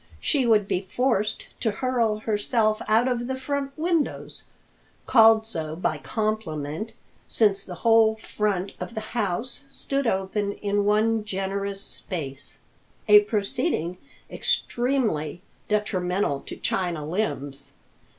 She would be forced to hurl herself out of the front windows,—called so by compliment since the whole front of the house stood open in one generous space—a proceeding extremely detrimental to china limbs.